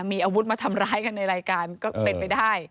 มีอาวุธมาทำร้ายกันในรายการก็เป็นไปได้